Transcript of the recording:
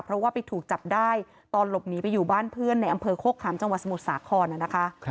เพราะว่าไปถูกจับได้ตอนหลบหนีไปอยู่บ้านเพื่อนในอำเภอโคกขามจังหวัดสมุทรสาครนะคะ